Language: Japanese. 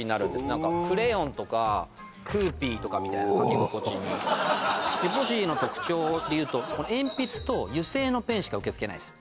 何かクレヨンとかクーピーとかみたいな書き心地にうわユポ紙の特徴でいうと鉛筆と油性のペンしか受け付けないです